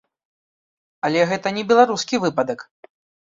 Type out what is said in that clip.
Але гэта не беларускі выпадак.